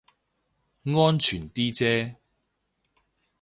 安全啲啫